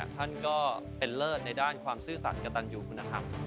ท่านก็เป็นเลิศในด้านความซื่อสัตว์กระตันยูคุณธรรม